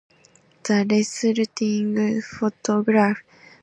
The resulting photograph has since become known as the Pale Blue Dot photograph.